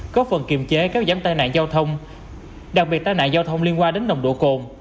có phần kiềm chế các giám tai nạn giao thông đặc biệt tai nạn giao thông liên quan đến nồng độ cồn